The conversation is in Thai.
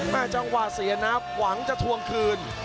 จังหวะเสียนับหวังจะทวงคืน